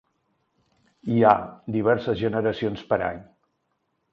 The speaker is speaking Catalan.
Hi ha diverses generacions per any.